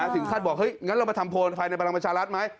ถึงขั้นบอกเฮ้ยงั้นเรามาทำโพลภายในพลังประชารัฐไหม